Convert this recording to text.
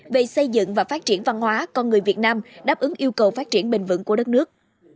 về xây dựng và phát triển văn hóa con người việt nam đáp ứng yêu cầu phát triển bền vững của đất nước